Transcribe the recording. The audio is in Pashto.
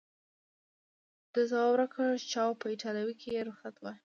ده ځواب راکړ: چاو، په ایټالوي کې یې رخصت واخیست.